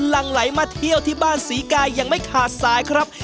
หลังไหลมาเที่ยวที่บ้านศรีกายยังไม่ขาดสายครับ